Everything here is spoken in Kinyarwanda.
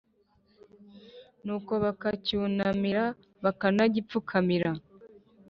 nuko bakacyunamira, bakanagipfukamira.